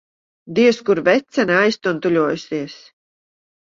Diez kur vecene aiztuntuļojusies.